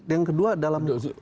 yang kedua dalam